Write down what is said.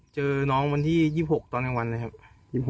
เจอน้องวันที่๒๖ตอนกลางวันเลยครับ